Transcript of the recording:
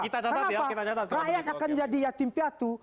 kenapa rakyat akan jadi yatim piatu